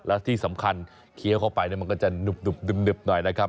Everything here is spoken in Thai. แล้วที่สำคัญเคี้ยวเข้าไปมันก็จะหนุบหน่อยนะครับ